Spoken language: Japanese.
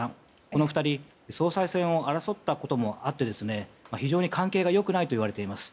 この２人総裁選を争ったこともあって非常に関係が良くないといわれています。